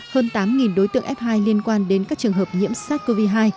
hơn tám đối tượng f hai liên quan đến các trường hợp nhiễm sars cov hai